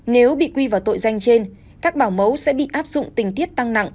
nếu bị quy vào tội danh trên các bảo mẫu sẽ bị áp dụng tình tiết tăng nặng